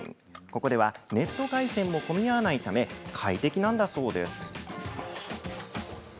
ここではネット回線も混み合わないため快適なんだそうです。